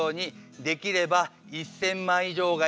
できれば１，０００万以上がいいです。